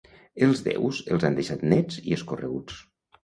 Els déus els han deixat nets i escorreguts.